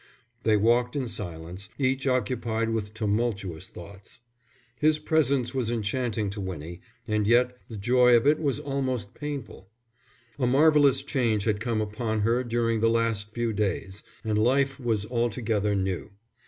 They walked in silence, each occupied with tumultuous thoughts. His presence was enchanting to Winnie, and yet the joy of it was almost painful. A marvellous change had come upon her during the last few days, and life was altogether new.